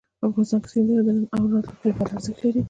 افغانستان کې سیندونه د نن او راتلونکي لپاره ارزښت لري.